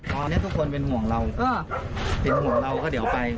ตอนนี้ทุกคนเป็นห่วงเราก็เป็นห่วงเราก็เดี๋ยวไป